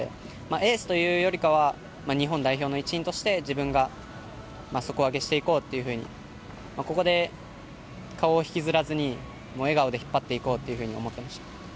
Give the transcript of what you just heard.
エースというよりかは日本代表の一員として自分が底上げしていこうとここで顔を引きずらずに笑顔で引っ張っていこうと思っていました。